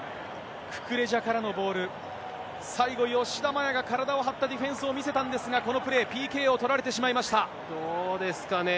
ククレジャからのボール、最後、吉田麻也が体を張ったディフェンスを見せたんですが、このプレー、どうですかねぇ。